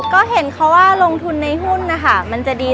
ก็เห็นเขาว่าลงทุนในหุ้นนะคะมันจะดี